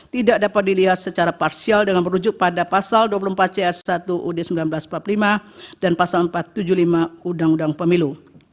tidak dapat dilihat secara parsial dengan merujuk pada pasal dua puluh empat c satu ud seribu sembilan ratus empat puluh lima dan pasal empat ratus tujuh puluh lima undang undang pemilu